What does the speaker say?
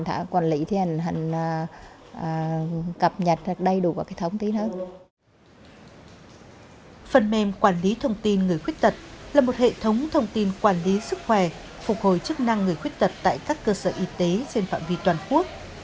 phần mềm quản lý thông tin người khuyết tật là một hệ thống thông tin quản lý sức khỏe phục hồi chức năng người khuyết tật tại các cơ sở y tế trên phạm vi toàn quốc